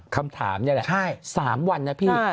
คำถามนี่แหละ๓วันนะพี่